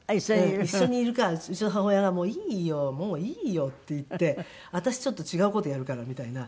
一緒にいるからうちの母親が「もういいよもういいよ」って言って「私ちょっと違う事やるから」みたいな。